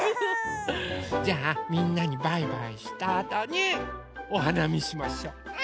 じゃあみんなにバイバイしたあとにおはなみしましょう。